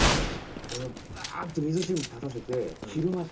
これをバンってみずしぶきたたせてひるます。